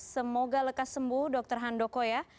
semoga lekas sembuh dr han doko ya